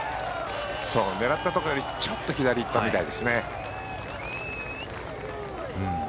狙ったところよりちょっと左へ行ったみたいです。